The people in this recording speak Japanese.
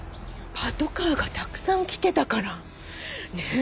パトカーがたくさん来てたからねえ。